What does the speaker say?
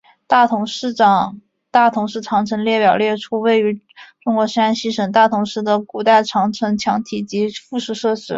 大同市长城列表列出位于中国山西省大同市的古代长城墙体及附属设施。